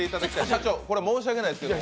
社長、これは申し訳ないですけど。